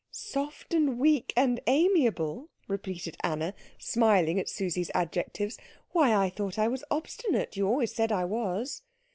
"Soft, and weak, and amiable!" repeated Anna, smiling at Susie's adjectives, "why, I thought I was obstinate you always said I was."